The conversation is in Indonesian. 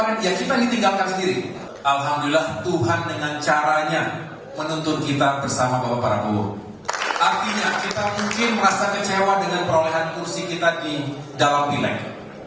artinya kita mungkin merasa kecewa dengan perolehan kursi kita di dalam pileg